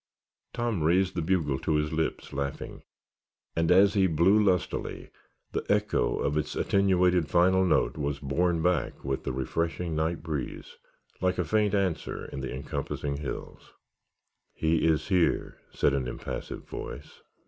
Tom raised the bugle to his lips laughing, and as he blew lustily the echo of its attenuated final note was borne back with the freshening night breeze, like a faint answer from the encompassing hills. "He is here," said an impassive voice.